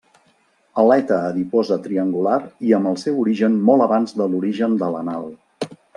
Aleta adiposa triangular i amb el seu origen molt abans de l'origen de l'anal.